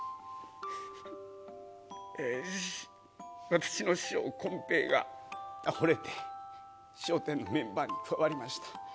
私の師匠、こん平がほれて、笑点のメンバーに加わりました。